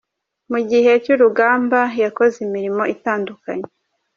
Mu gihe cy’urugamba yakoze imirimo itandukanye.